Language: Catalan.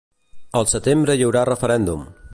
El setembre hi haurà referèndum.